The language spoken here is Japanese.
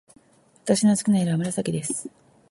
私の好きな色は紫です。